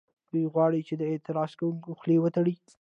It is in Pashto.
دوی غواړي چې د اعتراض کوونکو خولې وتړي